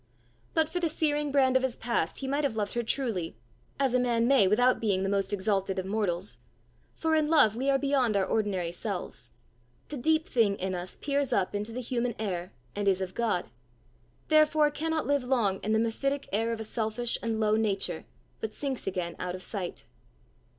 But for the searing brand of his past, he might have loved her truly as a man may, without being the most exalted of mortals; for in love we are beyond our ordinary selves; the deep thing in us peers up into the human air, and is of God therefore cannot live long in the mephitic air of a selfish and low nature, but sinks again out of sight.